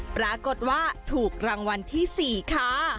ปรากฏว่าถูกรางวัลที่๔ค่ะ